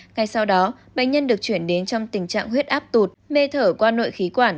ngay sau đó bệnh nhân được chuyển đến trong tình trạng huyết áp tụt mê thở qua nội khí quản